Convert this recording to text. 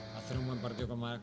oke ya pertama tama